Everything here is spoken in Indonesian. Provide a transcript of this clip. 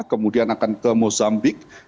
kemudian akan ke mozambik